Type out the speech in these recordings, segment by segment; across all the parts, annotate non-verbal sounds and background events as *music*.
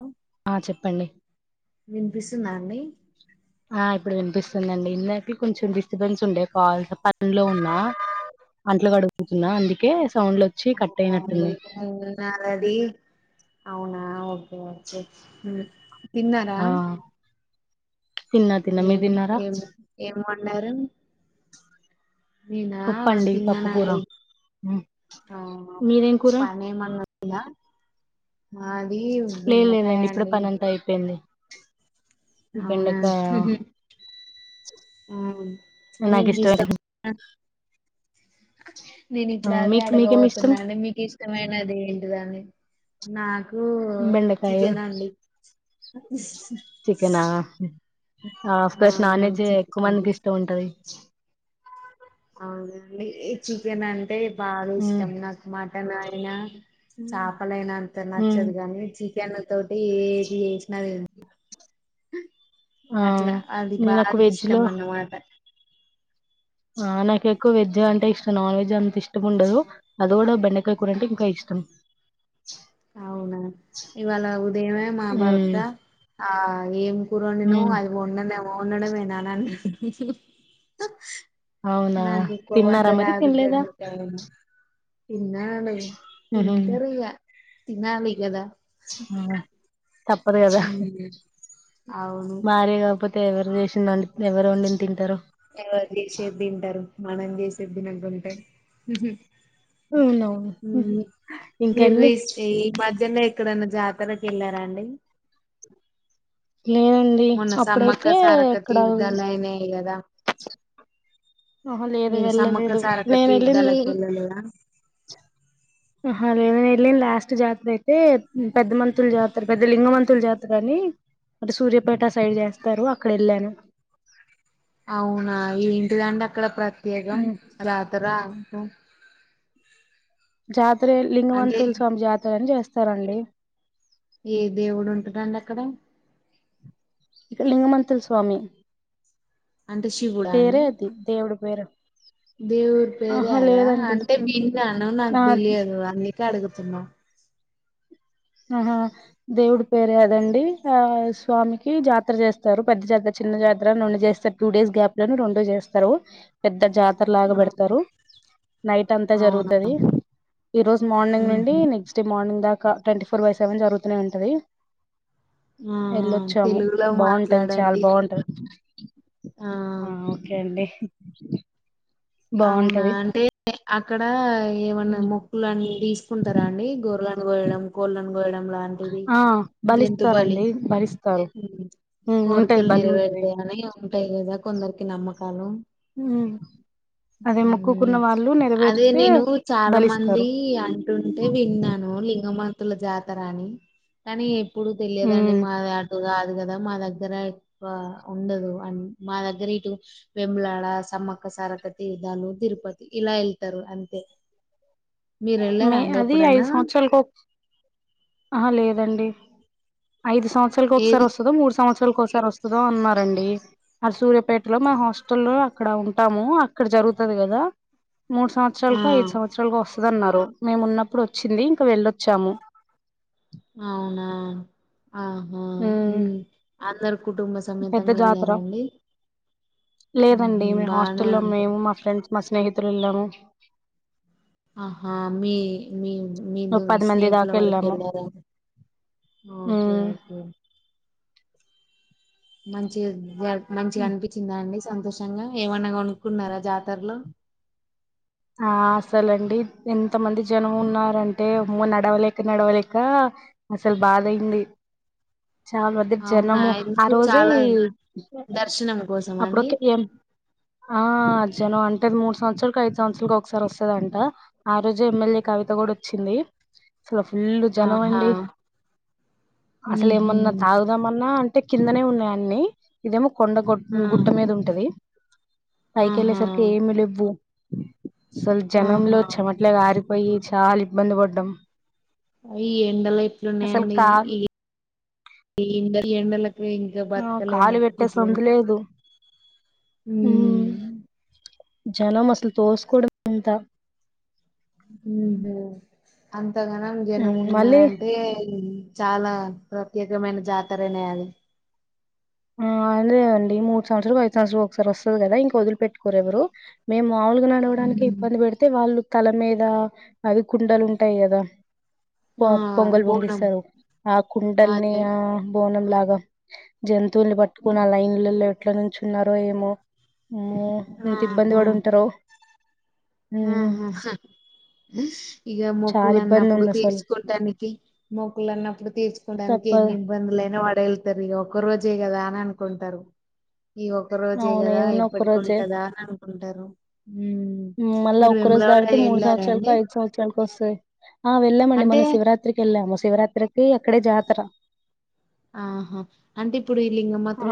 అ ఆ చెప్పండి వినిపిస్తుందా అండి ఆ ఇప్పుడు వినిపిస్తుందండి, ఇందకిల కొంచెం డిస్టర్బెన్స్ ఉండే కాల్స్ పనిలో ఉన్న అంట్లో కడుగుతున్నా అందుకే సౌండ్ లో ఆండి ఉమ్ ఆ రెడి *inaudible* తిన్నారా ఆ తిన్నా తిన్నా మీరు తిన్నారా అన్నారని నేనా పప్పండి పప్పు కూర. తిన్నానండి హ్మ్ ఆ మీదేం కూర? పని ఏమన్నాంద లేదు లేదండి ఇప్పుడే పనంతా అయిపోయింది అవునా బెండకాయ అ మీ నాకిష్టం ఇష్ట నేను ఆ ఇట్లా అదే మీకు మీకేమి ఇష్టం? అడగబోతున్నాని మీకు ఇష్టమైనది ఏంటిదని నా బెండకాయ చికెనా ఆఫ్ కోర్స్ నాన్ అవునా వెజ్ ఎక్కువ మందికి ఇష్టం ఉంటది అవు చికెన్ అంటే బాగా హ్మ్ ఇష్టం నాకు మా నాయనా చేపలైైన అంతే హ్మ్ నచ్చదు కాగాని *inaudible* ఏది ఏసిన ఆ అట్లా అది నేను బార నాకు వెజ్ ఇష్టం లో అన్నమాట ఆ నాకు ఎక్కువ వెజ్ అంటే ఇష్టం. నాన్ వెజ్ అంత ఇష్టం ఉండదు. అది కూడా బెండకాయ కూర అంటే ఇంకా ఇష్ట అవునా ఇవాళ ఉదయమే మా భర్త ఉమ్ ఆ ఏం కూరని ను్వు ఉమ్ అది వంండనే పోన్నడం మదనా అవునా నాకొకేకువ తిన్నారా వండర మరి ఆగద్ తినలేదా తవ పన్నళ తంతరగా ఇక్కడ పదాలకు రికార్డులో చేసిన పదానికి తేడా ఉంది. ఆ అమే ఉహు తింటరిగా తినాలి గదా ఆ తప్పదు కదా ఉమ్. అవును భార్య కాకపోతే అ ఎవరు చేసిందండి ఎవరు వండిని తింటారు. మనందేసిబి నల్గు ఉంటయి అవునవును ఇంకండి ప్రజల్లో ఎక్కడనా జాతరకి వెళ్లారా అండి. లేనండి అప్పుడైతే సారక్క ఎక్కడ తీర్థాలు అయినాయి కదా ఆహా లేదు మీరు సమ్మక్క వెళ్ళలేదు. సారక్క నేను వెళ్ళింది తీర్థాలకి వెళ్ళలేదా ఆహా లేదు న వెళ్ళను లాస్ట్ జాతర అయితే. పెద్ద మంతుల జాతర పెద్ద లింగ మంతుల జాతర అని. అంటే సూర్యాపేట సైడ్ చేస్తారు అక్కడ వెళ్ళాను. అవునా ఏంటిదండి అక్కడ ప్ర ప్రత్యేక మ్మ్ రాత్ర కుం *inaudible* జ *inaudible* అ అంటే లింగవంతుల స్వామి జాతరని చేస్తారు. సరేండి ఏ దేవుడు ఉంటుందండి అక్కడ ఇక లింగమంతులు స్వామి పేర అది దేవుడ పేరు దేవురు ఆహా పేరయాదా లేదండి అంటే విన్నాను నాకు ఆ తెలియదు. అ అడుకుతుంద ఆహా దేవుడు పేరు అదండి. ఆ స్వామికి జాతర చేస్తారు. పెద్ద జాతర చిన్న జాతర రెండు చేస్తారు. టూ డేస్ గ్యాప్ లోని రెండు చేస్తారు పెద్ద జాతర. అ ఆహా, లాగాబడతారు నైట్ అంతా అవునా జరుగుతుంది. ఈ రోజు మార్నింగ్ నుండి ఊహు నెక్స్ట్ డే మార్నింగ్ దాకా ట్వంటీ ఫోర్ బై సెవెన్ జరుగుతూనే ఉంటుది ఆ వెళ్ళొచ్చాము తెలుగులో బాగుంటది చాలా మాట్లాడండి బాగుంటది ఆ ఓకే అండి *inaudible* అవునా బాగుంటది అంటే అక్కడ ఏమన్నా మ్మ్ మొక్కులున్న తీసుకుంటారా. అండి గొరలను గయడం కోళ్ళను కోయడం లాంటిది. ఆ జంతుబలి బలిస్తారండి బలిస్తారు ఉమ్ ఉంటది కోరికలు బలి ఉంటది నెరవేడతాయ అని ఉంటాయి. కదా కొందరు నమ్మకాలం హ అదే నెరవేరితే నేను చాలా మంది బలిస్తారు అంటుంటే విన్నాను లింగమంత పతుల జాతర అని కానీ ఇప్పుడు తెలియదండి ఉమ్ మా అటుగా కదా మా దగ్గర ఉండదు అం మా దగ్గర ఇటు వెములాడ సమ్మక్క సర తీర్థను తిరుపతి ఇలా వెళ్తారు అంతే మీరు వెళ్ళారా మే అండి అది ఐదు ఎప్పుడన్నా సంవత్సరాలకు ఆ లేదండి ఐదు సంవత్రాల ఒకసారి ఏది వస్తుదో మూడు సంవత్రలు హాస్టల్సారి వస్తుందా అన్నారండి. అ సూర్యాపేటలో మ హాస్టల్ లో అక్కడ ఉంటాము. అక్కడ జరుగుతుది కదా మూడు ఆ సంవత్సరాలకు ఐదు సంవత్సరాలకు వస్తుంది అన్నారు మేము ఉన్నప్పుడు వచ్చింది ఇంకా వెళ్ళొచ్చాము అవునా ఆహా ఉమ్ అందరు హామ్ కుటుంబస్ పెద్ద జాతర ఉహు లేదండి మీ హాస్ట బానే లో ఉంటది మేము మా ఫ్రెండ్స్ మా స్నేహితుల ఎలాము ఆహా మీ మీ ఒక మదు పది మంది స్నేహతుల దాకా వరకు వెళ్ళాము ఎలార ఒకే ఉమ్ ఓకె మంచి గా జరుప్ మంచిగా అనిపించిందా అండి సంతోషంగా ఏమన్నా కోనుక్కున్నారా జాతరలో ఆ అసలండి ఎంత మంది జనం ఉన్నారంటే అమ్మో నడవలేక నడవలేక అసలు బాధయింది చాలా మంది అవునా జనము ఆ ఎందుకు రోజే చాలా దర్శనం కోసం అండి అప్పుడుొక ఏం ఆ జోనో అంటే మూడు సంవత్సరకు అయిత్ సంవత్సరకి ఒకసారి వస్తుదంట ఆ రోజు ఎమ్మెల్యే కవిత కూడా వచ్చింది అసలు ఫుల్ జనం ఆహా అండి అసలు ఊహూ ఏమన్నా తాగుదామన్నా టే కిందనే ఉన్నాయి అన్ని ఇదేమో కొండ గోట్ ఆ గుట్ట మీద ఉంటది పై కెళ్ళే ఆహా సరికి ఏమి లేవ్వు అసలు జనంలో ఆహా చెమట్లా గా రి పోయి చాలా ఇబ్బంది పడ్డం ఈ ఎండలు ఎట్లున్నాయండి కాలు ఈ ఈ ఎండల ఎండలకు ఇంకా ఆ బత్కలెము కాలు పెట్టే ఇట్లా సందు ఉంటె లేదు ఉమ్ మ్మ్ జనం అసలు తోసుకోవడం ఎంత ఉహ్మ్ ఆ ఇంతగనం జనం మ్మ్ మళ్ళీ ఉన్నారంటే చాలా ప్రత్యేకమైన జాతరనే అది ఆ అదే అండి మూడు సంవత్సరల కో ఐదు సంవత్సరల కో ఒకసారి వస్తుంది కదా ఇంక వదిలి పెట్టుకోరు ఎవరు మేము మాములుగా నడవడానికి ఉమ్ ఇబ్బంది పెడితే వాళ్ళు తల మీద అది కుండలు ఉంటాయి కదా పొ ఆ పొంగల్ బోనం పొంగిస్తారు ఆ కుండల్ని అదే ఆ బోనం లాగ్ గా జం తుల్ని పట్టుకుని ఆ లైన్ల లా ఎట్ల నుంచున్నారో ఏమో అమ్మో ఎంత ఇబ్బంది పడు ఉంటారో మ్మ్ ఊహ్మ హ్ హ ఇగ చాలా మొక్కులు ఇబ్బంది అన్నపుడు ఉంది అసలు తీర్చుకోడానికి మొకులు. అన్నప్పుడు తీర్చుకోటానికి మొకులున్నప్పుడు తీర్చుకోడానికి తప్పదు ఎన్ని ఇబ్బందులయినా. వాడ్ వెళ్తారు ఒక్క రోజే కదా అని అనుకుంటారు. ఈ ఒక రోజే అవును కదా ఏదన్నా ఒక్క రోజే ఎప్పటికుంటదా అన్ అంటారు ఉమ్ మళ్ళా మీరు ఒక్క రోజు వేములవాడ దాడితే మూడు వెళ్ళారా సంవత్సరాలకు అండి ఐదు సంవత్సరాలకు వస్తాయి. ఆ వెళ్ళామండి అంటే మన శివరాత్రికి కెళ్ళామ. శివరాత్రికి అక్కడే జాతర ఆహా అంటే ఇప్పుడు ఈ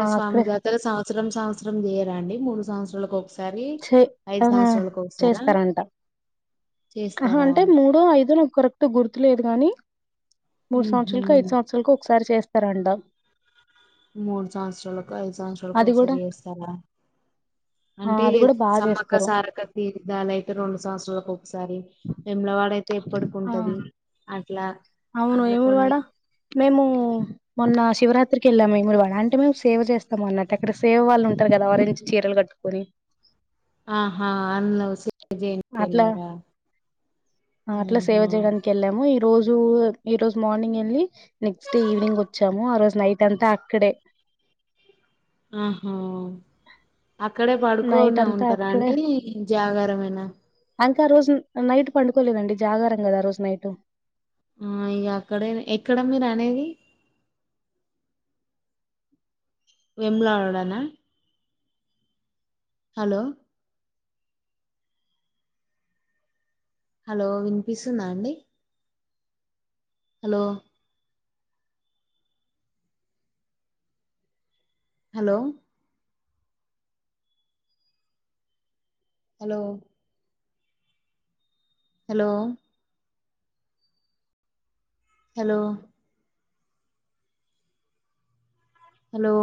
ఆ స్వామి అక్కడే జాతర సాగు సంసరం సంవత్సరం చేయరాండి మూడు సంవత్సరాలకు ఒకసారి. చే ఐదు ఆ సంవత్సరాలకు ఒకసారా చేస్తారంట. ఆహా చేస్తారా అంటే మూడో ఐదోని నాకు కరెక్ట్ గుర్తు లేదు కగాని మూడు సంవత్సరాలకు ఉహు ఐదు సంవత్సరాలకు ఒకసారి. చేస్ స్తారండ మూడు సంవత్సరాలకు ఐదు సంవత్సరాలకు అది కూడా ఒకసారి చేస్తారా ఆ అంటే అది కూడా బాగా సమ్మక్క చేస్తారు సారక తీర్థాలు అయితే రెండు సంవత్సరాల కో సారి ఎమ్లవాడయి ఆ ఎప్పడుకుంటది అవును ఏమురువాడా మేము మొన్న శివరాత్ ఇక్కకి వెళ్ళాం వేములవాడ అంటే మేము సేవ చేస్తాం అన్నట్టు. అక్కడ సేవ వాళ్ళు ఉంటారు కదా వరి నుంచి చీరలు కట్టుకొని. ఆహా అన్న అట్లా విజయనినికిలరా అట్లా సేవ చేయడానికి వెళ్ళాము రోజు ఈ రోజు మార్నింగ్ వెళ్ళి నెక్స్ట్ డే ఈవినింగ్ వచ్చాము ఆ రోజు నైట్ అంతా అక్కడే ఆహో అక్కడే నైట్ పడుకునే అంతా ఉంటారా అక్కడే అండి జాగరమైన ఇంకా రోజు నైట్ పండుకోలేదండి జాగారం కదా రోజు నైట్ ఆ ఇ అక్కడ ఎక్కడ మీరు అనేది వేములవాడనా హలో హలో వినిపిస్తుందా అండి hello hello hello hello hello hello